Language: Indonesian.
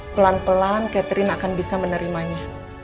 pelan pelan catherine akan bisa menerimanya